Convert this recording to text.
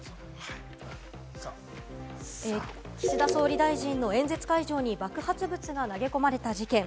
岸田総理大臣の演説会場に爆発物が投げ込まれた事件。